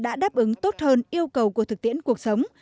các tỉnh đã đáp ứng tốt hơn yêu cầu của thực tiễn cuộc sống